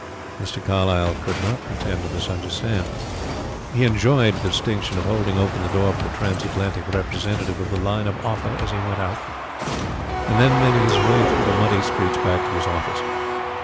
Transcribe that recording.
Mr. Carlyle could not pretend to misunderstand. He enjoyed the distinction of holding open the door for the transatlantic representative of the line of Offa as he went out, and then made his way through the muddy streets back to his office.